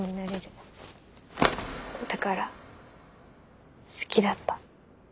だから好きだった。